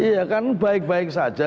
iya kan baik baik saja